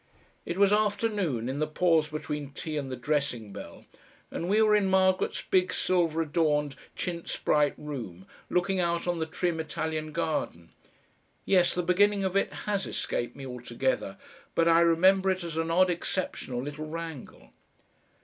It was afternoon, in the pause between tea and the dressing bell, and we were in Margaret's big silver adorned, chintz bright room, looking out on the trim Italian garden.... Yes, the beginning of it has escaped me altogether, but I remember it as an odd exceptional little wrangle.